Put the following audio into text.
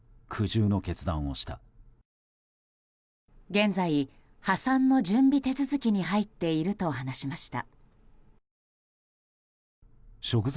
現在、破産の準備手続きに入っていると話しました。